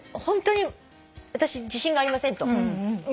ホントに私自信がありませんと。